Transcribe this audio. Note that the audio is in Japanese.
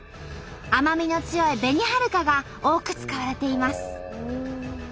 甘みの強い「紅はるか」が多く使われています。